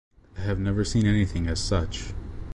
I have never seen anything as such.